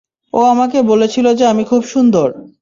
ও আমাকে বলেছিল যে আমি খুব সুন্দর।